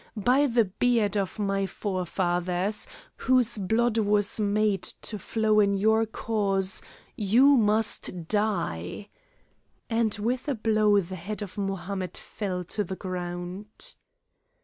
By the beard of my forefathers, whose blood was made to flow in your cause, you too must die," and with a blow the head of Mohammed fell to the ground.